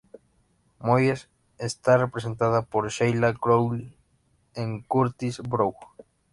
Moyes está representada por Sheila Crowley en Curtis Brown.